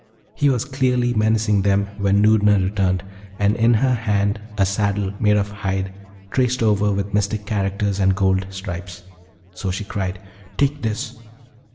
He was clearly menacing them when Noorna returned, and in her hand a saddle made of hide, traced over with mystic characters and gold stripes. So she cried, 'Take this!'